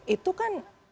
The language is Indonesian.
itu kan terjadi